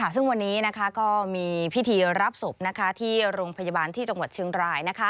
ซึ่งวันนี้ก็มีพิธีรับศพที่โรงพยาบาลที่จังหวัดเชียงราย